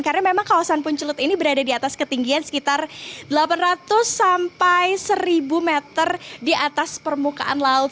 karena memang kawasan puncelut ini berada di atas ketinggian sekitar delapan ratus sampai seribu meter di atas permukaan laut